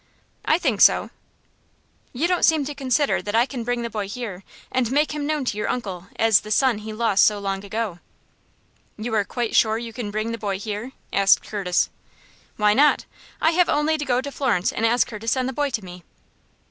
"I think so." "You don't seem to consider that I can bring the boy here and make him known to your uncle as the son he lost so long ago?" "You are quite sure you can bring the boy here?" asked Curtis. "Why not? I have only to go to Florence and ask her to send the boy to me."